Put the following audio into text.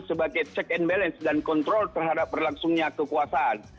sebagai check and balance dan kontrol terhadap berlangsungnya kekuasaan